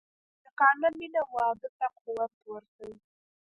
صادقانه مینه واده ته قوت ورکوي.